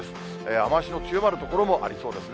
雨足の強まる所もありそうですね。